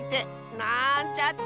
なんちゃって！